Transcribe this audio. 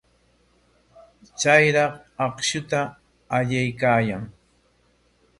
Chayraq akshuta allaykaayaa.